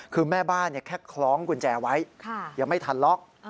คือแม่บ้านแค่คล้องกุญแจไว้ยังไม่ทันล็อก